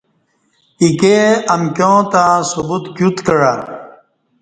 ایکے امکیوں تہ ثبوت کیوت کعہ